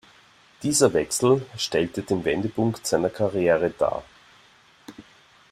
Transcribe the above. Dieser Wechsel stellte den Wendepunkt seiner Karriere dar.